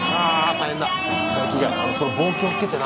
その棒気をつけてな。